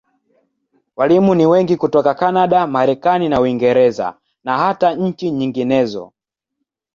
Walimu ni wengi hutoka Kanada, Marekani na Uingereza, na hata nchi nyinginezo.